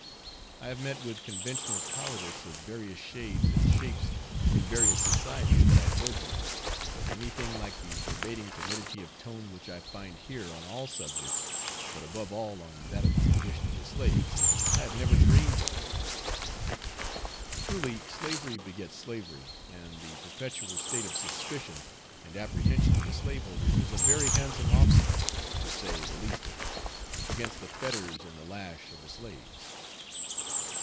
I have met with conventional cowardice of various shades and shapes in various societies that I have lived in; but anything like the pervading timidity of tone which I find here on all subjects, but above all on that of the condition of the slaves, I have never dreamed of. Truly slavery begets slavery, and the perpetual state of suspicion and apprehension of the slaveholders is a very handsome offset, to say the least of it, against the fetters and the lash of the slaves.